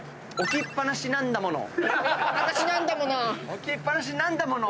置きっぱなしなんだもの！